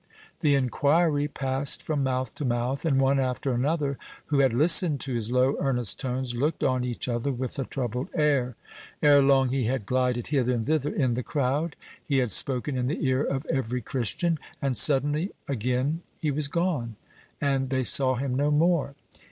The inquiry passed from mouth to mouth, and one and another, who had listened to his low, earnest tones, looked on each other with a troubled air. Ere long he had glided hither and thither in the crowd; he had spoken in the ear of every Christian and suddenly again he was gone, and they saw him no more.